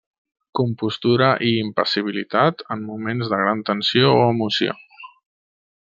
Compostura i impassibilitat en moments de gran tensió o emoció.